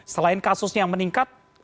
selain kasusnya meningkat